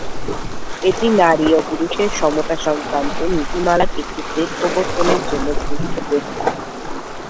এটি নারী ও পুরুষের সমতা সংক্রান্ত নীতিমালার একটি সেট প্রবর্তনের জন্য গৃহীত প্রস্তাব।